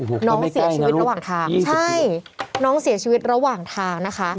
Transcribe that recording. โอ้โฮไม่ใกล้นะลูก๒๐กิโลเมตรใช่น้องเสียชีวิตระหว่างทาง